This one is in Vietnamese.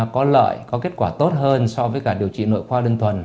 có lợi có kết quả tốt hơn so với cả điều trị nội khoa đơn tuần